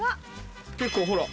結構ほら。